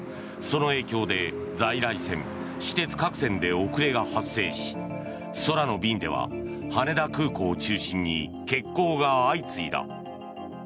その影響で在来線、私鉄各線で遅れが発生し空の便では羽田空港を中心に欠航が相次いだ。